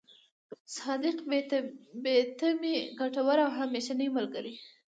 صادق، بې تمې، ګټور او همېشنۍ ملګری.